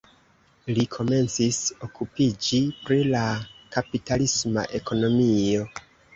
Li komencis okupiĝi pri la kapitalisma ekonomio.